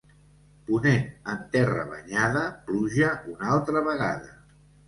Ponent en terra banyada, pluja una altra vegada.